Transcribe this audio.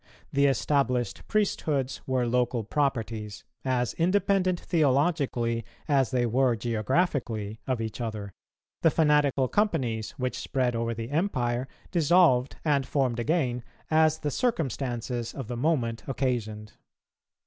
The established priesthoods were local properties, as independent theologically as they were geographically of each other; the fanatical companies which spread over the Empire dissolved and formed again as the circumstances of the moment occasioned.